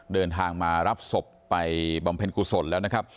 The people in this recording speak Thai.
เดินทางมารับศพไปบำเพ็ญกุศลแล้วนะครับ